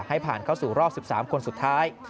ให้ผ่านเข้าสู่รอบ๑๓คนสุดท้าย